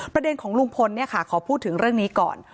ประเด็นของลุงพลขอพูดถึงเรื่องนี้ก่อน